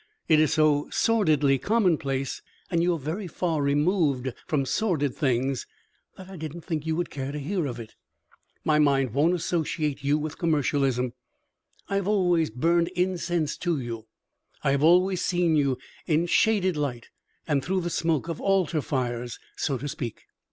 It is so sordidly commonplace, and you are so very far removed from sordid things that I didn't think you would care to hear of it. My mind won't associate you with commercialism. I have always burned incense to you; I have always seen you in shaded light and through the smoke of altar fires, so to speak."